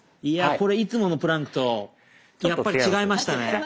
いやこれいつものプランクとやっぱり違いましたね。